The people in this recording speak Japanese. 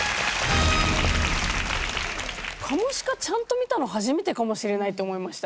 カモシカちゃんと見たの初めてかもしれないって思いました。